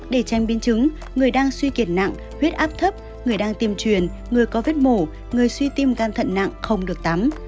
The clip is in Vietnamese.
để tranh biến chứng người đang suy kiệt nặng huyết áp thấp người đang tiêm truyền người có vết mổ người suy tim gan thận nặng không được tắm